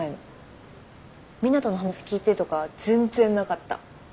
湊斗の話聞いてとかは全然なかった。